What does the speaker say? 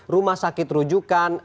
rumah sakit rujukan